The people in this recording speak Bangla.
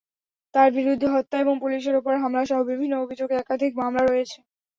তাঁর বিরুদ্ধে হত্যা এবং পুলিশের ওপর হামলাসহ বিভিন্ন অভিযোগে একাধিক মামলা রয়েছে।